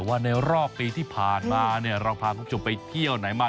ว่าในรอบปีที่ผ่านมาเราพาคุณผู้ชมไปเที่ยวไหนมา